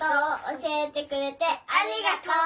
教えてくれてありがとう。